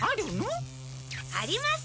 あります。